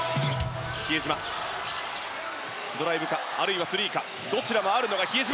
ドライブかあるいはスリーかどちらもあるのが比江島。